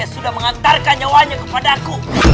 youraug ada hukum spesifik